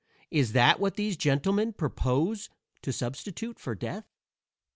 Is that what these gentlemen propose to substitute for death?